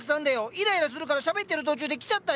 イライラするからしゃべってる途中で来ちゃったよ。